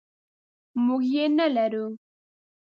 موږ یې نلرو.